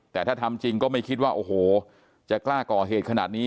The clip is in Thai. แต่ถ้าทำจริงก็ไม่คิดว่าโอ้โหจะกล้าก่อเหตุขนาดนี้